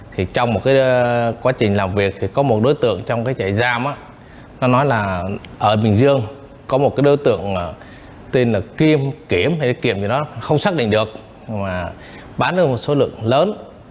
thì trong một cái quá trình làm việc thì có một đối tượng trong cái chạy giam nó nói là ở bình dương có một cái đối tượng tên là kim kiểm hay kiểm thì nó không xác định được mà bán được một số lượng lớn